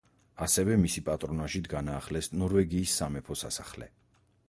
ასევე მისი პატრონაჟით განაახლეს ნორვეგიის სამეფო სასახლე.